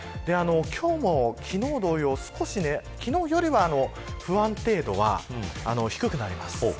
今日も昨日同様、少し昨日よりは不安定度は低くなります。